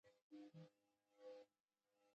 هغوی د غزل پر لرګي باندې خپل احساسات هم لیکل.